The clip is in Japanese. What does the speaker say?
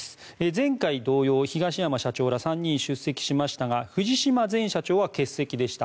前回同様、東山社長ら３人が出席しましたが藤島前社長は欠席でした。